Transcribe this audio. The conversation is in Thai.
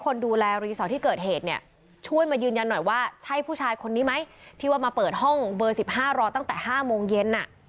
คนดูแลรีสอร์ทที่เกิดเหตุเนี่ยช่วยมายืนยันหน่อยว่าใช่ผู้ชายคนนี้ไหมที่ว่ามาเปิดห้องเบอร์๑๕รอตั้งแต่๕โมงเย็นอ่ะ